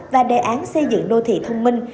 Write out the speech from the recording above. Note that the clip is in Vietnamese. và đề án xây dựng đô thị thông minh